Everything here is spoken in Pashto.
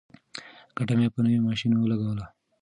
ګټه مې په نوي ماشین ولګوله.